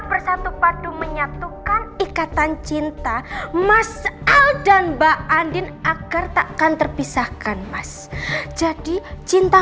bersatu padu menyatukan ikatan cinta mas al dan mbak andin agar tak akan terpisahkan mas jadi cinta